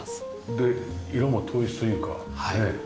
で色も統一というかねえ。